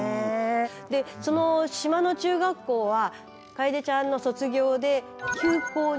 でその島の中学校は楓ちゃんの卒業で休校になって。